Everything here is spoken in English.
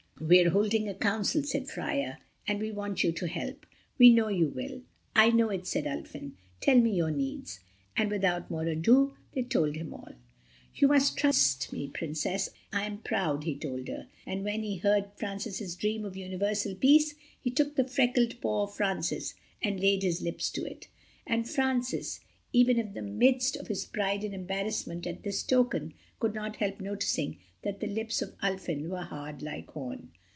"We're holding a council," said Freia, "and we want you to help. We know you will." "I know it," said Ulfin, "tell me your needs—" And without more ado they told him all. "You trust me, Princess, I am proud," he told her, but when he heard Francis's dream of universal peace he took the freckled paw of Francis and laid his lips to it. And Francis, even in the midst of his pride and embarrassment at this token, could not help noticing that the lips of Ulfin were hard, like horn.